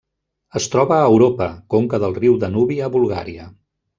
Es troba a Europa: conca del riu Danubi a Bulgària.